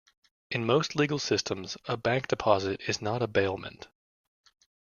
In most legal systems, a bank deposit is not a bailment.